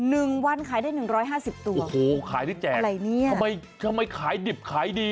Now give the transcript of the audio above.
หนึ่งวันขายได้๑๕๐ตัวอะไรเนี่ยโอโหขายได้แจกทำไมขายดิบขายดี